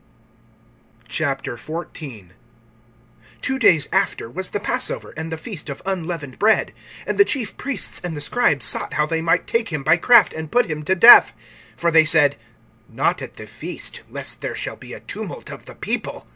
XIV. TWO days after, was the passover, and the feast of unleavened bread; and the chief priests and the scribes sought how they might take him by craft, and put him to death. (2)For they said: Not at the feast, lest there shall be a tumult of the people.